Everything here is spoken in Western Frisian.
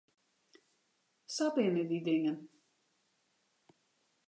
Sa binne dy dingen.